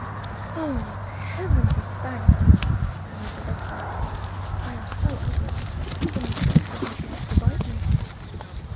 "Oh, Heaven be thanked!" sighed the Duckling. "I am so ugly that even the dog does not like to bite me!"